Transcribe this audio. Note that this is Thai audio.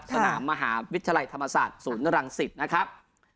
สนามมหาวิทยาลัยธรรมศาสตร์ศูนย์รังสิตนะครับ